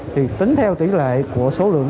thì tính theo tỷ lệ của số lượng